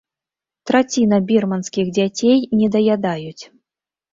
Траціна бірманскіх дзяцей недаядаюць.